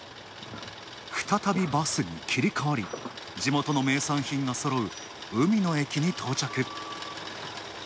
再びバスに切り替わり、地元の名産品がそろう海の駅に到着。